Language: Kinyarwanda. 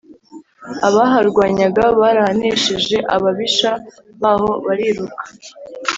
Abaharwanyaga barahanesheje Ababisha baho bariruka